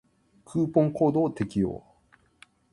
クーポンコードを適用